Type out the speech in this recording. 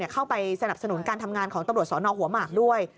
เข้าไปสนับสนุนการทำงานของตำรวจสนหัวหมากด้วย